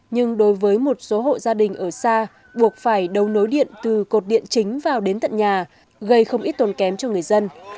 nhưng đối với một số hộ gia đình ở xa buộc phải đấu nối điện từ cột điện chính vào đến tận nhà gây không ít tồn kém cho người dân